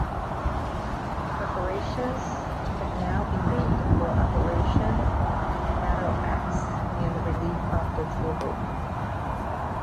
Preparations could now be made for Operation Battleaxe and the relief of Tobruk.